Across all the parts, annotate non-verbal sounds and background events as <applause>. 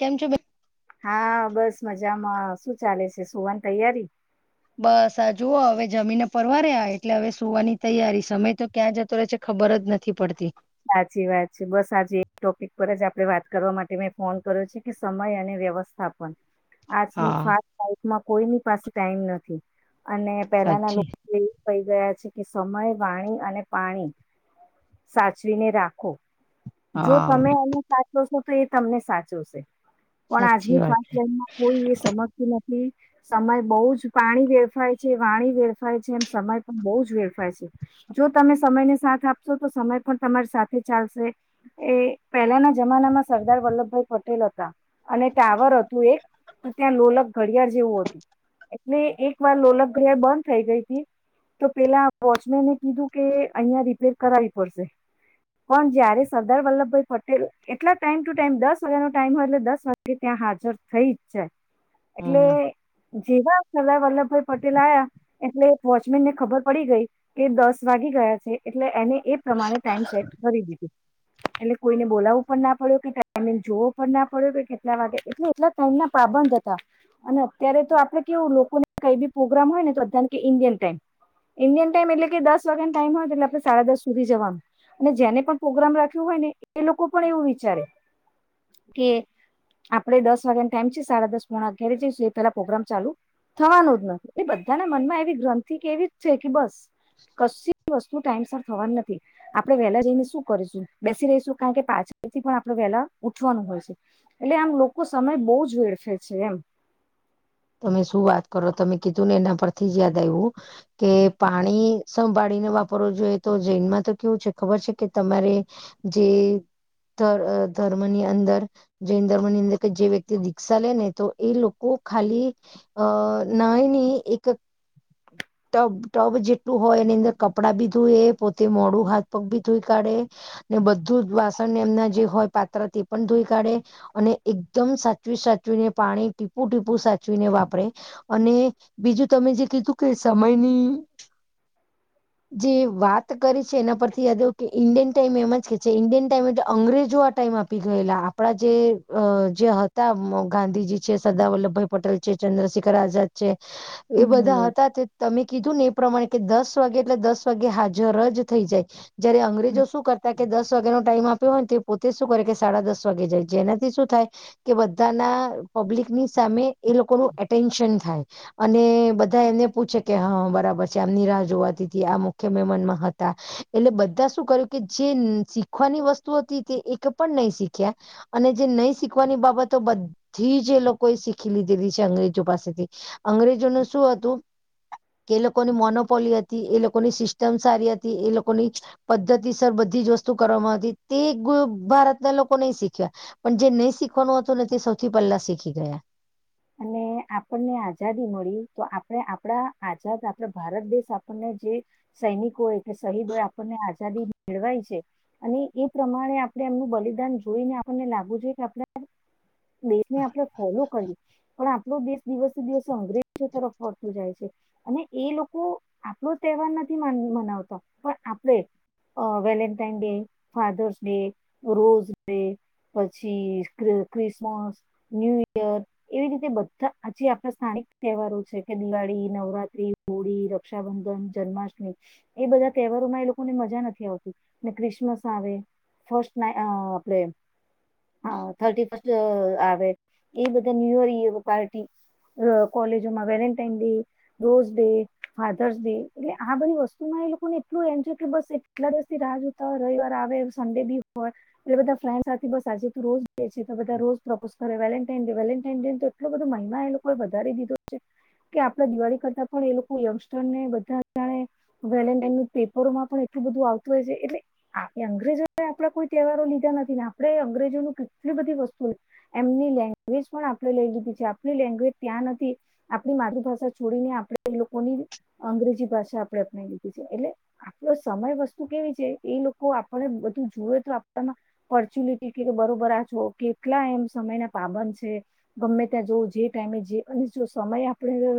કેમ છો બેન? હા બસ મજામાં શું ચાલે છે સુવાની તૈયારી. બસ આ જુઓ હવે જમીને પરવારિયા એટલે હવે સુવાની તૈયારી સમય તો ક્યાં જતો રહે છે ખ ખબર જ નથી પડતી. સાચી વાત છે બસ આજે એક ટોપિક પર જ આપડે વાત કરવા માટે મેં ફોન કર્યો છે કે સમય અને વ્ય વ્યવસ્થાપન આજની હા ફાસ્ટ લાઇફમાં કોઈની પાસે ટાઈમ નથી. અને પેલા ના સાચી લોકો એ કઈ- ગયા છે કે સમય, વાણી અને પાણી સાચવીને રાખો. જો તમે હા એને સાચવશો તો એ તમને સાચવશે. પણ સાચી આજની વાત ફાસ્ટ છે લાઇફમાં કોઈ એ સમજતું નથી. સમય બહુ જ પાણી વેડફાય છે, વાણી વેડફાય છે એમ સમય પણ બહુ જ વેડફાય છે. જો તમે સમયને સાથ આપશો તો સમય પણ તમારી સાથે ચાલશે. એ પહેલાના જમાનામાં સરદાર વલ્લભભાઈ પટેલ હતા અને ટાવર હતું એક તો ત્યાં લોલક ઘડિયાળ જેવું હતું એટલે એક વાર લોલક ઘડિયાળ બંધ થઈ ગઈ તી. તો પેલા વોચમેને કીધું કે અહિયાં રિપેર કરાવવી પડશે. પણ જયારે સરદાર વલ્લભભાઈ પટેલ એટલા ટાઈમ ટુ ટાઈમ દસ વાગ્યાનો ટાઈમ હોય એટલે દસ વાગે ત્યાં હાજ હાજર થઈ જ જાય એટલે હમ જેવા સરદાર વલ્લભભાઈ પટેલ આયા એટલે વોચમેન ને ખબર પડી ગઈ કે દસ વાગી ગયા છે એટલે એને એ પ્રમાણે ટાઈમ સેટ કરી દીધું. એટલે કોઈને બોલાવું પણ ના પડ્યો કે ટાઈમે જોવો પણ ના પડ્યો કે કેટલા વાગે એટલે એટલા ટાઈમ ના પા બંધ હતા અને અત્યારે તો આપડ કેવું લોકોને કઈ બી પ્રોગ્રામ હોય ને તો કે ઇન્ડિયન ટાઈમ. ઈન્ડિયન ટાઈમ એટલે કે દસ વાગ્યાનો ટાઈમ હોય એટલે આપે સાડા દસ સુધી જવાનું. અને જેને પણ પ્રોગ્રામ રાખ્યું હોય ને એ લોકો પણ એવું વિચારે કે આપડે દસ વાગ્યાને ટાઈમ છે સાડા દસ પોણા અગિયારે જઈશું એ પેલા પ્રગ્રામ ચાલુ થવાનું જ નથી એ બધાના મનમાં એવી ગ્રંથિ કે એવી જ છે કે બસ. કશી વસ્તુ ટાઈમ સર થવાની નથી. આપણે વહેલા જઈને શું કરીશું બેસી રહીશું કારણ કે પાછળથી પણ આપણે વહેલા ઉઠવાનું હોય છે. એટલે આમ લોકો સમય બહુ જ વેડફે છે એમ. તમે શું વાત કરો તમે કીધું ને એના પરથી જ યાદ આવ્યું કે પાણી સંભાળી ને વાપરવો જોઈએ તો જૈનમાં તો કેવું છે ખબર છે કે તમારે જે ધ ધર્મની અંદર જૈન ધર્મની અંદર કે જે વ્યક્તિ દીક્ષા લે ને તો એ લોકો ખાલી અ નાની એક ટબ ટબ જેટલું હોય એની અંદર કપડાં બી ધોએ પોતે મોડું હાથ પગ ભી ધોઈ કાઢે અને બધું જ વાસણને એમના જે હોય પાત્ર તે પણ ધોઈ કાઢે અને એકદમ સાચવી સાચવી ને પાણી ટીપુ-ટીપ પુ સાચવીને વાપરે અને બીજું તમે જે કીધું કે સમયની જે વાત કરી છે એના પરથી યાદ આવું કે ઇન્ડિયન ટાઈમ એમ જ કે છે ઇન્ડિયન ટાઈમ એટલે અંગ્રેજો હતા ટાઈમ આપી ગયેલા આપડા જે અ જે હતા મ ગાંધીજી છે, સરદારવલ્લભ ભાઈ પટેલ છે, ચંદ્રશેખર આઝાદ છે એ બધા હમ હતા તમે કીધું ને એ પ્રમાણે કે દસ વાગે એટલે દસ વાગે હાજર જ થઈ જાય જયારે હમ અંગ્રેજો શું કરે કે દસ વાગ્યાનો ટાઈમ આપ્યો હોય ને પોતે શું કરે કે સાડા દસ વાગે જાય જેનાથી શું થાય કે બધાને ના પબ્લિકની સામે એ લોકો ન એટેન્શન થાય અને બધા એમને પૂછે કે હ બરાબર છે આમ જોવા મુખ મે મ હતા એટલે બધા શું કર્યું કે જેીખવાની વસ્તુ એક પણ નહી શીખ્યા અને જે નહી શીખવાની બાબતો બધી કોઈ શીખી લીધેલી છે અંગ્રેજો પાસેથી અંગ્રેજોનું શું હતું કે એ લોકોની મોનોપોલી હતી એ લોકોની સિસ્ટમ સારી હતી એ લોકોની પદ્ધતિ સર બધી બધી જ વસ્તુ કરવામાં હતી તે ભારતના લોકો નહી શીખ્યા પણ જે નહીં શીખવાનું હતું ને સૌથી પલ્લા શીખી ગયા અને આપણને આઝાદી મળી તો આપણે આપડા આઝાદ આપણા ભારત દેશ આપણને જે સૈનિકોય કે શહીદ હોય આપણને આઝાદી મેળવાય છે અને એ પ્રમાણે આપણે એમનું બલિદાન જોઈને આપણને લાગવું છે કે આપણે દેશને આપણે ફોલો કરી પણ આપણો દેશ દિવસે દિવસે અંગ્રેજ તરફ વળતો જાય છે અને એ લોકો બ તહેવાર નથી મનાવતો પણ આપણે અ Valentine day Father's day rose day પછી ક્રિસમસ ન્યુ ઈયર એવી રીતે બધા હજ આપણા સ્થાનિક તહેવારો છે કે દિવાળી નવરાત્રી હોળી રક્ષાબંધન ન જન્માષ્ટમી એ બધા તહેવારો માં એ લોકોને મજા નથી આવતી ક્રિસમસ આવે ફસ્ટ ના આપડે થર્ટી ફસ્ટ આવે એ બધ ન્યયો પાર્ટી અ કોલેજોમાં Valentine day rose day fathers day એટલે આ બધી વસ્તુમાં એ લોકોને એટલું એય કે બસટલા દિવસથી રાહ જોતા હોય રિવાર આવે સડે બી હોય એટલે બધા ફ સાથે બસ આજ તો રોજ છે તો બધા રોજ પ્રપોઝ કરે વેલેન્ટન ડે તો એટલો બધો મહિમા એ લોકોએ વધારી દીધો છે કે આપડા દિવાળી કરતા પણ એ લોકો યંગસ્ટર ને બધા જાણે વેલેન્ટાાઈન પેપરોમાં પણ એ બધું આવતું હોય છે એટલે અંગ્રેજો આપણા કોઈ તહેવારો લીધા નથી ને આપણે અંગ્રેજોનું કેટલું બધી વસ્તુ એમની લેંગ્જ પણ આપ લઈીધી છે આપણી લેંગ્વેજ ત્યાં નથી આપણી માતૃભાષા છોડીને આપણે લોકોની અંગ્રેજી ભાષા આપણે અપનાવી દીધી છે એટલે આપડો સમય વસ્તુ કેવી છે એ લોકો આપણે બધું તો આપમાં પચ્યુલટી કે બરોબર આ છો કેટલા એમ સમય ના પાબન છે ગમે ત્યાં જવું જે ટાઈમે જે અને જો સમય આપણે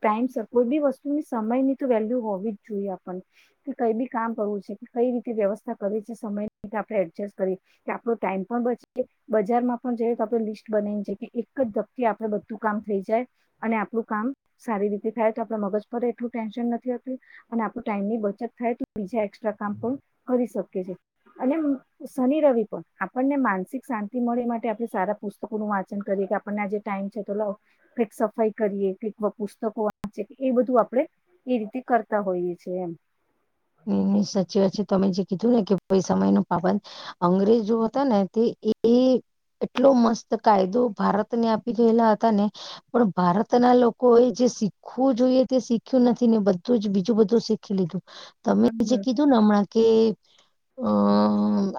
ટાઈમ કોઈ બી વસ્તુની સમય ની તો વેલ્યુ હોવી જ જોઈએ આપને કે કઈ બી કામ કરવું છે કઈ રીતે વ્યવસ્થા કરી છે સમય ની આપણે એડજસ્ટ કરીએ કે આપણો ટાઈમ પણ બચી બજારમાં જે આપણે લિસ્ટ બનાવીને છે કે એક ધકકી આપડે બધું કામ થઈ જાય અને આપડું કામ સારી રીતે થાય તો આપડ મગજ પર એટલું ટેન્ન ટની બચ થાય બીજા એ્રા કામ પણ કરી શકી એ શનિ રવિ પણ આપણને માનસિક શાંતિ મળે માટે આપણે સારા પુસ્તકો નું વાંચન કરીએ કે આપને આજે ટાઈમ છે તો લાવ કઈક સફાઈ કરીએ કઈક પુસ્તકો વાંચે એ બધું આપડે એ રીતે કરતા હોઈએ છેએ એમ હ સાચી વાત છે તમે જે કીધું ને કે કોઈ સમય ન પાબંદ અંગ્રેજ હતા ને તે એ એટલો મસ્ત કાયદો ભારતને આપી રહેલા હતા ને પણ ભારતના લોકો એ જે શીખવું જોઈએ તે શીખ્યું નથી ને બધું જ બીજું બધું શીખી લીધું તમે જે હમ કીધું ને હમણાં કે અ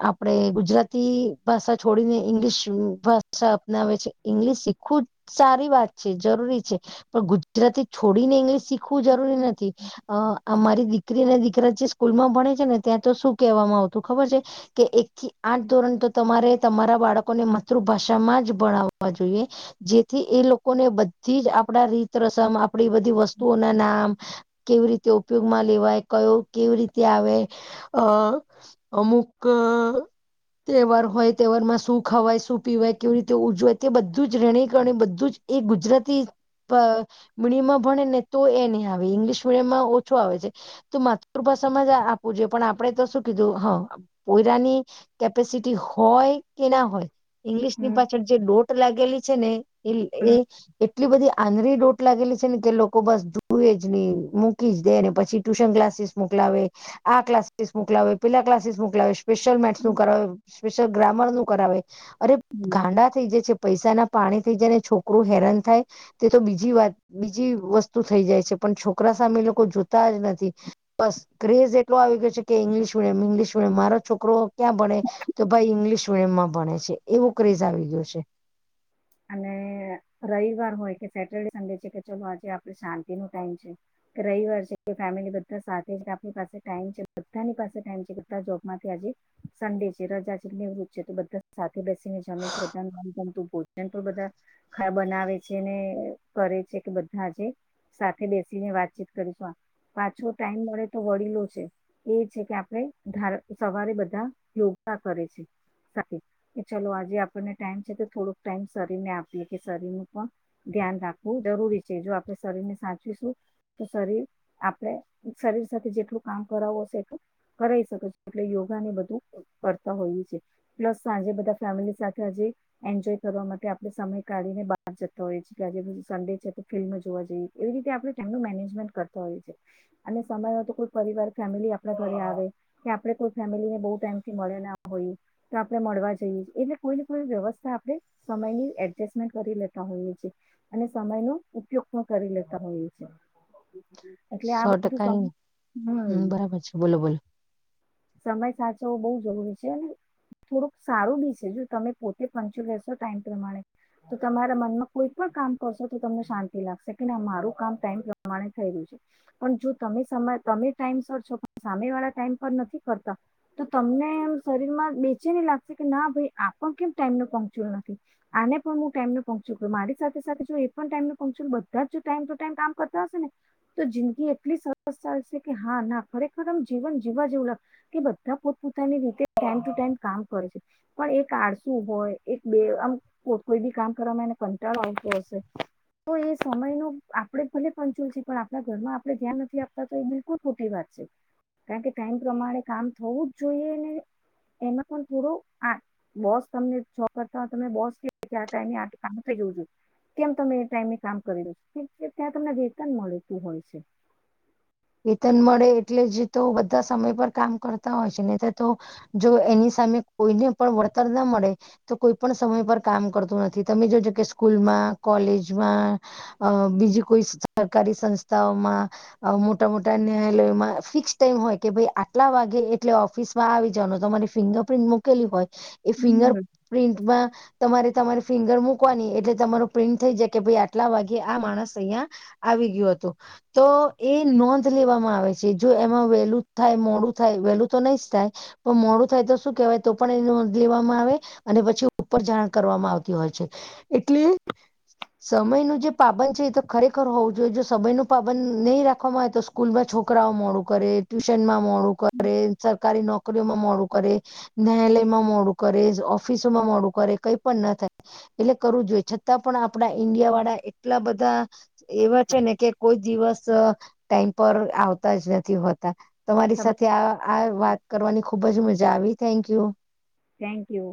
આપડે ગુજરાતી ભાષા છોડીને ઈંગ્લિશ ભાષા અપનાવે છે ઇંગ્લિશ ખુ જ સારી વાત છે જરૂરી છે પણ ગુજરાતી છોડીને ઇંગ્લિશ શીખ જરી નથીરી દીકરી સ્કૂલમાં ભણે છે ને ત્યાં તો શું કહેવામાં આવતું ખબર છે કે એક થી આઠ ધોરણ તો તમારે તમારા બાળકોને માતૃભાષામાં જ ભણાવવા જોઈએ જેથી એ લોકોને બધી જ આપડા રીત રસમ આપણી બધી વસ્તુઓ ના નામ કેવી રીતે ઉપયોગમાં લેવાય કયો કેવી રીતે આવે અ અમુક તહેવાર હોય તહેવારમાં શું ખાવાય શું પીવાય કેવી રીતે ઉજવાય તે બધું જ રહેણીકણી બધું જ એ ગુજરાતી પ મીડિયમમાં ભણે ને તો એ નહી આવે ઇંગ્લિશ મીડિયમમાં ઓછો આવે છે તો મા પર જ આપું જોઈએ પણ આપણે તો શું કીધું હ કોયરાની કેપેસિટી હોય કે ના હોય ઈંગ્લિશ ની હમ પાછળ જે ડોટ લાગેલી છે ને હમ એ એટલી બધી આંધરી ડોટ લાગેલી છે ને કે લોકો બસ ધુએ જ ને મૂકી જ દે ને પછી ટ્યુશન ક્લાસીસ મોકલાવે આ ક્લાસ મોકલા પેલા ક્લાસ મોકલાવે સ્પેશલ મેસ કરાવ સ્પલ ગ્રામ નુ કરાવે અરે હમ ગાંડા થઈ જ છે. પૈસા ના પાણી થઈ જાયને છોકરું હેરાન થાય તે તો બીજી વાત બીજી વસ્તુ થઈ જાય છે. પણ છોકરા સામે લોકો જોતા જ નથી. બસ ક્રેઝ એટલો આવી ગયો છે કે ઈંગ્લિશ મીડિયમ ઇંગ્લિશ મીડિયમ મારો છોકરો ક્યાં ભણે તો ભાઈ ઇંગ્લિશ મીડિયમ માં ભણે છે એવું ક્રેઝ આવી ગયું છે. અને રવિવાર હોય કે સેટરડે સંડે છે કે ચલો આજે આપે શાંતિ નો ટાઈમ છે કે રવિવાર છે. ફેમિલી બધા સાથે જ આપની પાસે ટાઈમ છે બધાની પાસે ટાઈમ છે બધા જોબમાંથી આજ સંડે રાજા વૃત છે તો બધા સાથે બેસીને જમે છે બધા મનગમતું આપ બધા બનાવે છે ને કરે છે કે બધાજે સાથે બેસીને વાતચીત કરીશું આ પાછો ટાઈમ મળે તો વડીલો છે. એ છે કે આપણે ધ સવારે બધા યોગા કરે છે... કે ચલો આજે આપણને ટાઈમ છે તો થોડોક ટાઈમ શરીર ને આપીએ કે શરીરનું પણ ધ્યાન રાખવું જરૂરી છે જો આપણેે શરીરને સાચવીશું તો શરીર આપડે શરીર સાથે જેટલું કામ કરાવવું હશે એટલું કરાવી શકે છે. પ સાંજે ફ સાથે <unintelligible> કરવા માટે આપણે સમય કાઢીને બહાર જતા હોઈએ છે કે આજે સન્ડે છે તો ફિલ્મ જોવા જઈએ એવી રીતે આપણે હોય સમ યકોઈ પરિવાર ફેમિલી આપ ઘરે આવે કે આપ- કોઈ ફેમિલીને બહુ ટાઈમથી મળે ના હોય તો આપણે મળવા જઈએ એટલે કોઈ ને કોઈ વ્યવસ્થા આપણે સમયની એડજસ્ટમેન્ટ કરી લેતા હોઈએ છે અને સમયનો ઉપયોગ પણ કરી લેતા હોઈએ છે. એટલે આ સો બધું ટકાની હમ. બરાબર છે બોલો બોલો સમય સાચવો બહુ જરી છે અને થોડુંક સારું બી છે જો તમે પોતે પંચો લેશો ટ પ્રમાણે તો તમારા મનમાં કોઈ પણ કામ કરશો તો તમને શાંતિ લાગશે કે ના મારું કામ ટાઈમ <unintelligible> પણ જો તમે સમય તમે ટાઈમ સર છો સામે વાળા ટાઈમ પર નથી કરતા તો તમને એમ શરીર માં બેચેની લાગશે કે ના ભાઈ આપણ કેમ ટાઈમ ન પંક્ચુલ નથી. આને પણ હું ટાઈમને પહોચુડું મારી સાથે સાથે જો એ પણ ટાઈમને પહચ બધા જ ટાઈમ ટુ ટાઈમ કામ કર તો જિંદગી એટલી સરસ થશે કે હા ના ખરેખરમ જીવન જીવા જેવું લાગે કે બધા પોતપ પોતાની રીતે ટાઈમ ટુ ટાઈમ કામ કરે છે પણ એક આળસુ હોય એક બે આમ કોઈ બી કામ કરવામાં એને કંટાળો આવતો હશે... તો એ સમય ન આપડે ભલે પંચુલ છે પણ આપણા ઘરમાં આપણે ધ્યાન નથી આપતા તો એ બિલકુલ ખોટી વાત કારણ કે ટાઈમ પ્રમાણે કામ થવું જ જોઈએ ને એમાં પણ થોડું આ લોસ તમને કરતા તમે બોસ કે આ ટાઈમે કામ થ જઉં છું કેમ તમે એ ટાઈમે કામ કરી દો છો છે ત્યાં તમને વેતન મળતું હોય છે. વેતન મળે એટલે જ તો બધા સમય પર કામ કરતા હોય છે હી તો તો જો એની સામે કોઈને પણ વળતર ના મળે તો કોઈ પણ સમય પર કામ કરતું નથી તમે જોજો કે સ્કૂલમાં <unintelligible> બીજી કોઈ સરકારી સંસ્થાઓમાં મા મોટ મોટા ન્યાયાલયમાં ફિક્સ ટાઈમ હોય કે ભાઈ આટલા વાગે એટલે ઓફિસમાં આવી જવાનું તમારી ફિંગર પ્ર મલી હોય એ ફિંગર હમ પ્રિન્ટમાં તમારે તમારે ફિંગર મુકવાની એટલે તમારે <unintelligible> આટલા વાગે આ માણસ અહિયાં આવી ગ્યું હતું તો એ નોંધ લેવામાં આવે છે જો એમાં વહેલું થાય મોડું થાય વેહેલું તો નહી જ થાય પણ મોડું થાય શું કેવાય તો પણ એ નોંધ લેવામાં આવે અને પછી ઉપર જાણ કરવામાં આવતી હોય છે એટલે સમય નું જે પાબન છે એ તો ખરેખર હોવું જોઈએ જો સમય ન પાાવન નહીં રાખે હો તો સ્કૂલમાં છોકરાઓ મોડું કરે ટ્યુશન માં મોડું કરે સરકારી નોકરીમાં મોડું કરે ન્યાયાલયમાં મોડું કરે ઓફિસોમાં મોડું કરે કઈ પણ ન થાય એટલે કરવું જોઈએ છતાં પણ આપણા ઈન્ડિયા વાળા એટલા બધા એવા છે ને કે કોઈ દિવસ ટાઈમ પર આવતા જ નથી હોતા તમારી તમા સાથે આ આ વાત કરવાની ખુબ જ મજા આવી થેન્ક યુ થેન્ક યુ